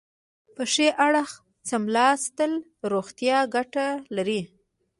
په ښي اړخ څملاستل روغتیایي ګټې لري.